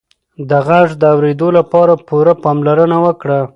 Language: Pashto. د غږ د اورېدو لپاره پوره پاملرنه وکړه.